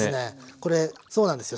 これそうなんですよ。